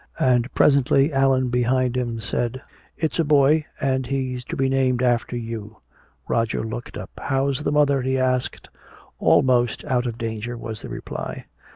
And presently Allan behind him said, "It's a boy, and he's to be named after you." Roger looked up. "How's the mother?" he asked. "Almost out of danger," was the reply.